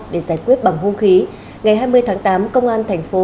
để giải quyết bằng hung khí ngày hai mươi tháng tám công an thành phố